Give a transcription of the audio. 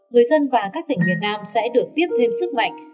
người dân và các tỉnh miền nam sẽ được tiếp thêm sức mạnh